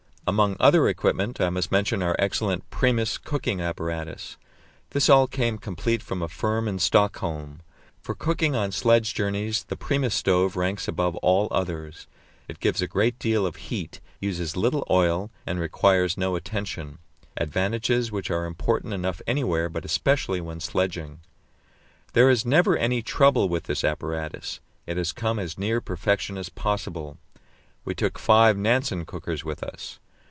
Among other equipment I must mention our excellent Primus cooking apparatus. This all came complete from a firm in Stockholm. For cooking on sledge journeys the Primus stove ranks above all others; it gives a great deal of heat, uses little oil, and requires no attention advantages which are important enough anywhere, but especially when sledging. There is never any trouble with this apparatus; it has come as near perfection as possible. We took five Nansen cookers with us.